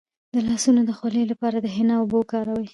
د لاسونو د خولې لپاره د حنا اوبه وکاروئ